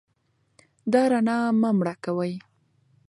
دا رڼا مه مړه کوئ.